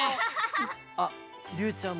ありゅうちゃん